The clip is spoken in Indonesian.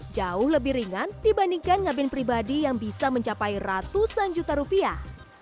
jauh lebih ringan dibandingkan ngabin pribadi yang bisa mencapai ratusan juta rupiah